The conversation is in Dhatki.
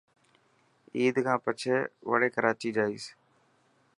عيد کان پڇي وڙي ڪراچي جائيس.